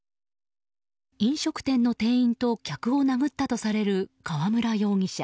飲食店の店員と客を殴ったとされる、河村容疑者。